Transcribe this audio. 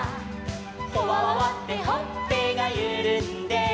「ほわわわってほっぺがゆるんで」